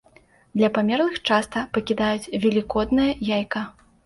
Для памерлых часта пакідаюць велікоднае яйка.